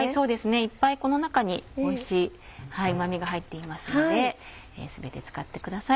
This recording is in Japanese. いっぱいこの中においしいうま味が入っていますので全て使ってください。